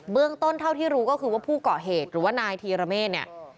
เรื่องต้นเท่าที่รู้ก็คือว่าผู้เกาะเหตุหรือว่านายธีรเมฆเนี่ย